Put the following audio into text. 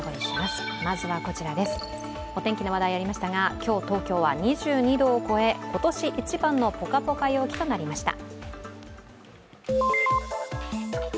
お天気の話題ありましたが、今日、東京は２２度を超え、今年一番のぽかぽか陽気となりました。